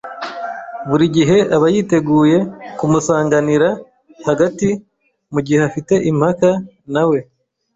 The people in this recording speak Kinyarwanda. Buri gihe aba yiteguye kumusanganira hagati mugihe afite impaka na we.